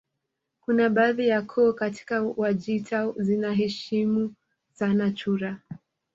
Kuna baadhi ya koo katika Wajita zinaheshimu sana chura